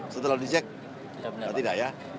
setelah dicek tidak ya